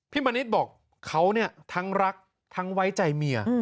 มณิษฐ์บอกเขาเนี่ยทั้งรักทั้งไว้ใจเมีย